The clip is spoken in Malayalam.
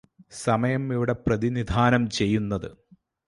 സമയം ഇവിടെ പ്രതിനിധാനം ചെയ്യുന്നത്